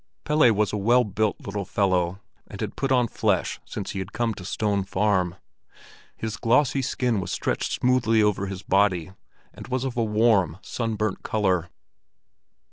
Pelle was a well built little fellow, and had put on flesh since he had come to Stone Farm. His glossy skin was stretched smoothly over his body, and was of a warm, sunburnt color.